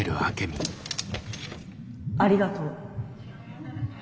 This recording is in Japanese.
ありがとう。